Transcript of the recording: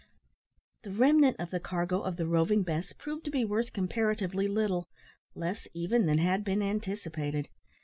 The remnant of the cargo of the Roving Bess proved to be worth comparatively little less even than had been anticipated.